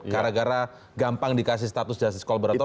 gara gara gampang dikasih status justice kolaborator